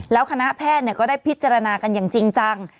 แล้วคณะแพทย์ก็ได้พิจารณากันอย่างจริงจัง